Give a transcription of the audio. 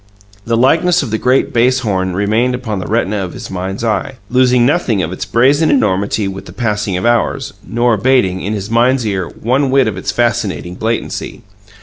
The likeness of the great bass horn remained upon the retina of his mind's eye, losing nothing of its brazen enormity with the passing of hours, nor abating, in his mind's ear, one whit of its fascinating blatancy.